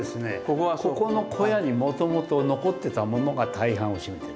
ここの小屋にもともと残ってたものが大半を占めてる。